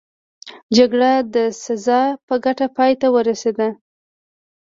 جګړه د سزار په ګټه پای ته ورسېده.